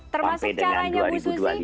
termasuk caranya musisi